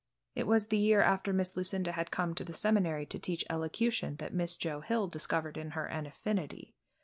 It was the year after Miss Lucinda had come to the seminary to teach elocution that Miss Joe Hill discovered in her an affinity.